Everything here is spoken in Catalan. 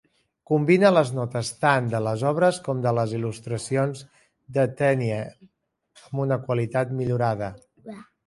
Combina les notes tant de les obres com de les il·lustracions de Tenniel amb una qualitat millorada.